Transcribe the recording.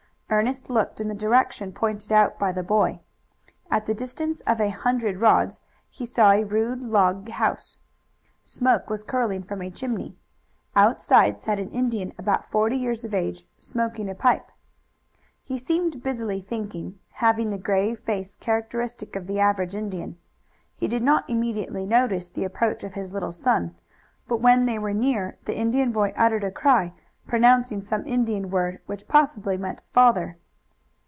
Ernest looked in the direction pointed out by the boy. At the distance of a hundred rods he saw a rude log house. Smoke was curling from a chimney. Outside sat an Indian about forty years of age smoking a pipe. He seemed busily thinking, having the grave face characteristic of the average Indian. He did not immediately notice the approach of his little son. But when they were near the Indian boy uttered a cry, pronouncing some Indian word which possibly meant "father."